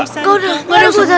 gak ada gak ada gak ada